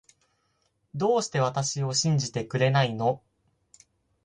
どうして私を信じてくれないの